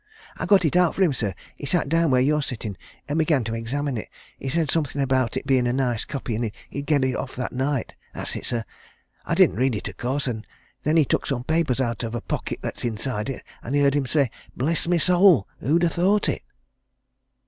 "I got it out for him, sir. He sat down where you're sitting and began to examine it. He said something about it being a nice copy, and he'd get it off that night that's it, sir: I didn't read it, of course. And then he took some papers out of a pocket that's inside it, and I heard him say 'Bless my soul who'd have thought it!'"